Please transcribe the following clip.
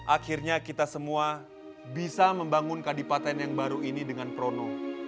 akhirnya kita semua bisa membangun kadipaten yang baru ini dengan prono